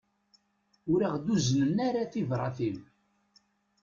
Ur aɣ-d-uznen ara tibratin.